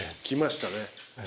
来ましたね。